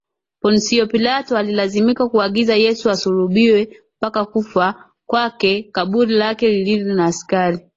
Ponsyo Pilato alilazimika kuagiza Yesu asulubiwe mpaka kufa kwake kaburi lake lilindwe na askari